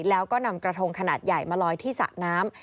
แล้วก็นำกระทงขนาดใหญ่มาลอยที่สระน้ำ